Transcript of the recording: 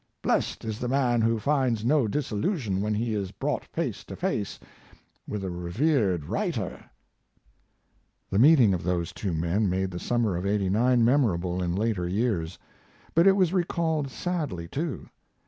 Blessed is the man who finds no disillusion when he is brought face to face with a revered writer. The meeting of those two men made the summer of '89 memorable in later years. But it was recalled sadly, too.